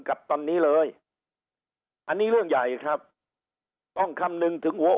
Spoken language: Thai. กับตอนนี้เลยอันนี้เรื่องใหญ่ครับต้องคำนึงถึงหัว